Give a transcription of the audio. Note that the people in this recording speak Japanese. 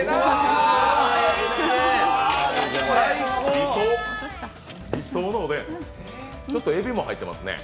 理想、理想のおでん、ちょっとえびも入っていますね。